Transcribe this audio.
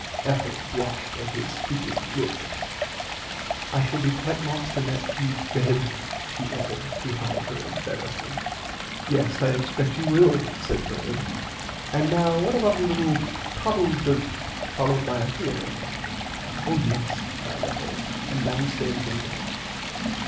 Ethel blushed at his speaking look. I shall be quite lost in that huge bed she added to hide her embarassment. Yes I expect you will said Bernard and now what about a little table d'ote followed by a theater. Oh yes cried Ethel and downstairs they went.